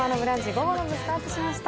午後の部、スタートしました。